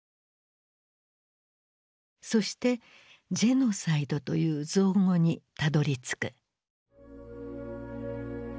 そして「ジェノサイド」という造語にたどりつく。